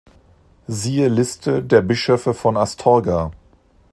Siehe Liste der Bischöfe von Astorga